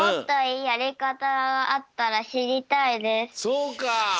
そうか。